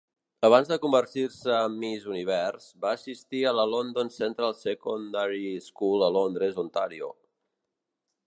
Abans de convertir-se en Miss Univers, va assistir a la London Central Secondary School a Londres, Ontario.